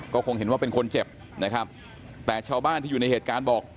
ก็คงเห็นว่าเป็นคนเจ็บนะครับแต่ชาวบ้านที่อยู่ในเหตุการณ์บอก